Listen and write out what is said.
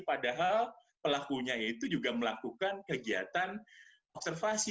padahal pelakunya itu juga melakukan kegiatan observasi